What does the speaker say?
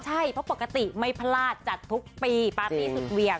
ใช่เพราะปกติไม่พลาดจัดทุกปีปาร์ตี้สุดเหวี่ยง